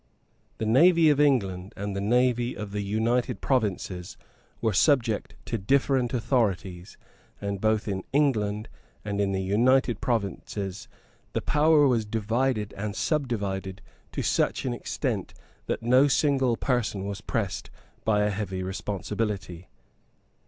The navy of England and the navy of the United Provinces were subject to different authorities; and, both in England and in the United Provinces, the power was divided and subdivided to such an extent that no single person was pressed by a heavy responsibility.